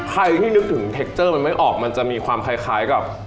ใครที่นึกถึงเทคเจอร์มันไม่ออกมันจะมีความคล้ายกับ